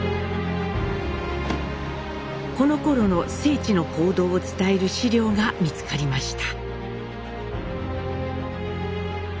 このころの正知の行動を伝える資料が見つかりました。